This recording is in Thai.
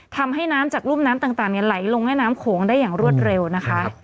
ทำให้น้ำจากรุ่มน้ำต่างไหลลงแม่น้ำโขงได้อย่างรวดเร็วนะคะ